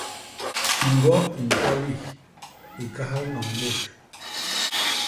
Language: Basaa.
Ñgwo i ntoli i kahal noñ bôt.